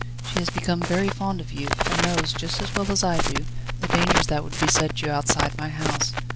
"She has become very fond of you, and knows, just as well as I do, the dangers that would beset you outside my house.